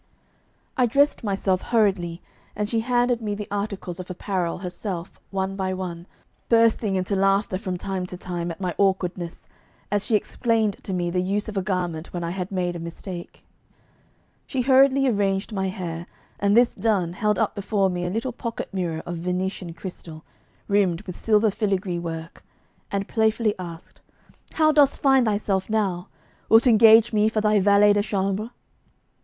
I dressed myself hurriedly, and she handed me the articles of apparel herself one by one, bursting into laughter from time to time at my awkwardness, as she explained to me the use of a garment when I had made a mistake. She hurriedly arranged my hair, and this done, held up before me a little pocket mirror of Venetian crystal, rimmed with silver filigree work, and playfully asked: 'How dost find thyself now? Wilt engage me for thy valet de chambre?